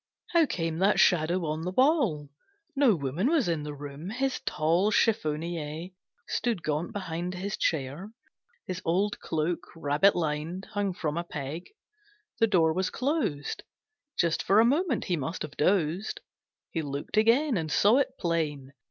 How came that shadow on the wall, No woman was in the room! His tall Chiffonier stood gaunt behind His chair. His old cloak, rabbit lined, Hung from a peg. The door was closed. Just for a moment he must have dozed. He looked again, and saw it plain.